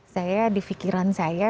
saya di fikiran saya